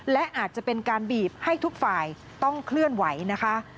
และอาจจะเป็นการบีบให้ทุกฝ่ายต้องเคลื่อนไหวนะคะ